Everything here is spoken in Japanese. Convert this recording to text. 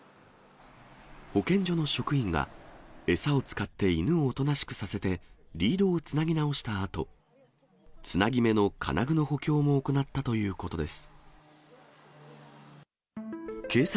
保健所の職員が餌を使って犬をおとなしくさせてリードをつなぎ直したあと、つなぎ目の金具の補強も行ったということです。